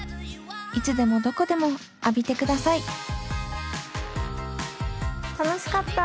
いつでもどこでも浴びてください楽しかった。